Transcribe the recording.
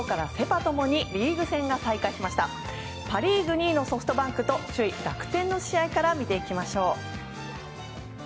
パ・リーグ２位のソフトバンクと首位、楽天の試合から見ていきましょう。